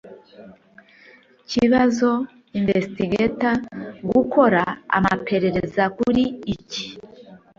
kibazo investigator gukora amaperereza kuri iki